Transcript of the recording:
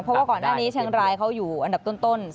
เพราะว่าก่อนหน้านี้เชียงรายเขาอยู่อันดับต้น